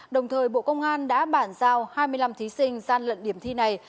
đồng thời bộ công an đã bản giao hai mươi năm thí sinh gian lận điểm thi này